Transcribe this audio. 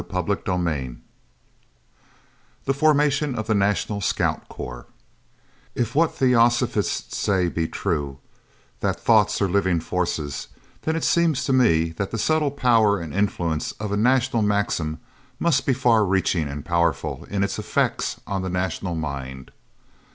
CHAPTER XV THE FORMATION OF THE NATIONAL SCOUTS CORPS If what theosophists say be true, that thoughts are living forces, then it seems to me that the subtle power and influence of a national maxim must be far reaching and powerful in its effect on the national mind.